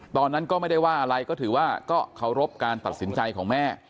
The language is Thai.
ตอนนั้นก็ไม่ได้ว่าอะไรก็ถือว่าก็เคารพการตัดสินใจของแม่